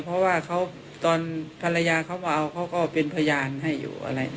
เพราะว่าเพื่อนมันมาเขาก็เป็นพยานให้อยู่